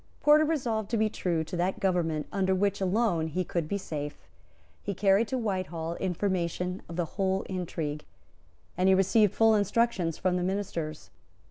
Porter resolved to be true to that government under which alone he could be safe; he carried to Whitehall information of the whole intrigue; and he received full instructions from the ministers.